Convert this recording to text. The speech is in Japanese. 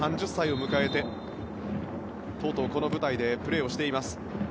３０歳を迎えてとうとう、この舞台でプレーしています。